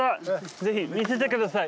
ぜひ見せて下さい。